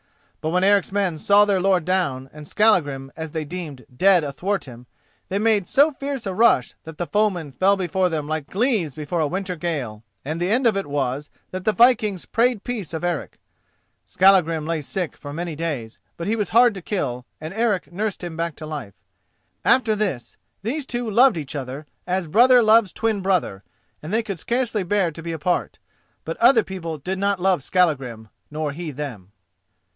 But when Eric's men saw their lord down, and Skallagrim, as they deemed, dead athwart him, they made so fierce a rush that the foemen fell before them like leaves before a winter gale, and the end of it was that the vikings prayed peace of Eric. Skallagrim lay sick for many days, but he was hard to kill, and Eric nursed him back to life. After this these two loved each other as brother loves twin brother, and they could scarcely bear to be apart. But other people did not love Skallagrim, nor he them.